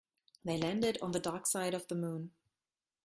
They landed on the dark side of the moon.